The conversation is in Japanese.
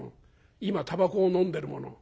今たばこをのんでるもの」。